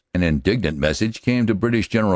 An indignant message came to British G. H.